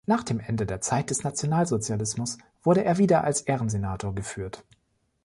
Nach dem Ende der Zeit des Nationalsozialismus wurde er wieder als Ehrensenator geführt.